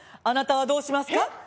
あなたはどうしますか？